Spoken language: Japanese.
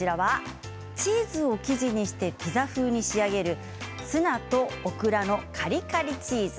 チーズを生地にしてピザ風に仕上げるツナとオクラのカリカリチーズ。